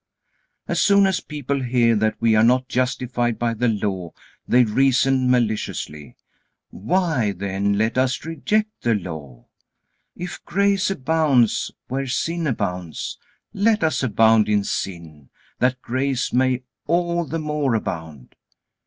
As soon as people hear that we are not justified by the Law, they reason maliciously: "Why, then let us reject the Law. If grace abounds, where sin abounds, let us abound in sin, that grace may all the more abound."